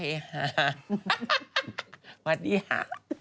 สวัสดีค่ะ